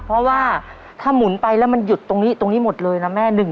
เพราะว่าถ้าหมุนไปแล้วมันหยุดตรงนี้ตรงนี้หมดเลยนะแม่